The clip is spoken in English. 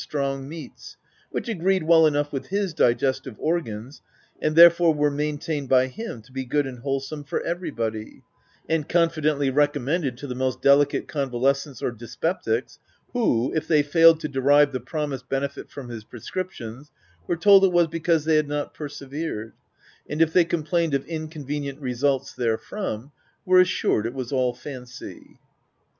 c 26 THE TENANT strong meats, which agreed well enough with his digestive organs, and therefore were maintained by him to be good and wholesome for everbody, and confidently recommended to the most delicate convalescents or dyspeptics, who, if they failed to derive the promised bene fit from his prescriptions, were told it was be cause they had not persevered, and if they complained of inconvenient results therefrom, were assured it was all fancy.